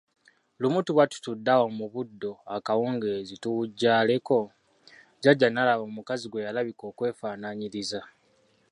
Lumu tuba tutudde awo mu buddo akawungeezi tuwujjaaleko, Jjajja n'alaba omukazi gwe yalabika okwefaananyiriza.